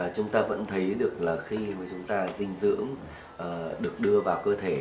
chúng ta vẫn thấy được là khi mà chúng ta dinh dưỡng được đưa vào cơ thể